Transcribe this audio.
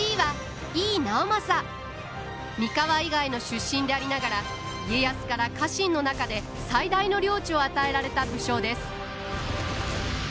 三河以外の出身でありながら家康から家臣の中で最大の領地を与えられた武将です。